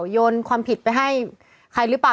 โยนความผิดไปให้ใครหรือเปล่า